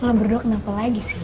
udah berdua kenapa lagi sih